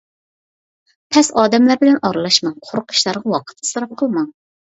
پەس ئادەملەر بىلەن ئارىلاشماڭ، قۇرۇق ئىشلارغا ۋاقىت ئىسراپ قىلماڭ.